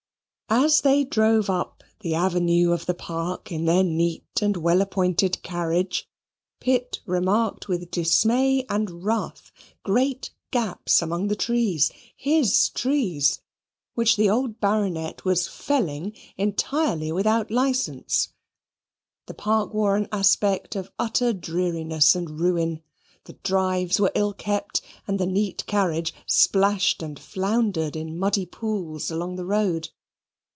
As they drove up the avenue of the park in their neat and well appointed carriage, Pitt remarked with dismay and wrath great gaps among the trees his trees which the old Baronet was felling entirely without license. The park wore an aspect of utter dreariness and ruin. The drives were ill kept, and the neat carriage splashed and floundered in muddy pools along the road.